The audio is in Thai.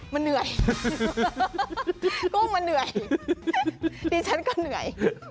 มันเหนื่อยกุ้งมันเหนื่อยดิฉันก็เหนื่อย